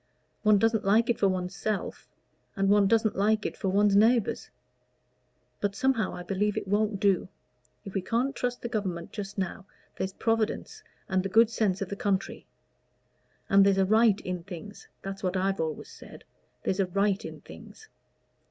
One doesn't like it for one's self, and one doesn't like it for one's neighbors. But somehow, I believe it won't do: if we can't trust the Government just now, there's Providence and the good sense of the country; and there's a right in things that's what I've always said there's a right in things.